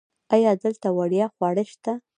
ایا دلته وړیا خواړه شته؟